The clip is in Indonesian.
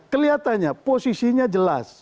kelihatannya posisinya jelas